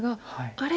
あれ？